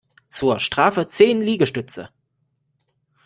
Zur Strafe zehn Liegestütze!